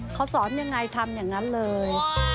เขาสอนยังไงทำอย่างนั้นเลย